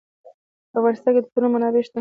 په افغانستان کې د تنوع منابع شته.